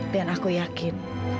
dan aku yakin